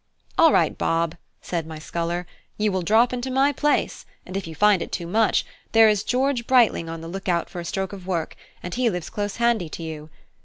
"All right, Bob," said my sculler; "you will drop into my place, and if you find it too much, there is George Brightling on the look out for a stroke of work, and he lives close handy to you.